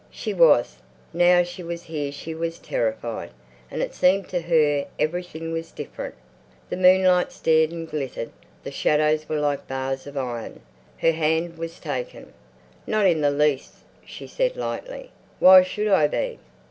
She was; now she was here she was terrified, and it seemed to her everything was different. The moonlight stared and glittered; the shadows were like bars of iron. Her hand was taken. "Not in the least," she said lightly. "Why should I be?"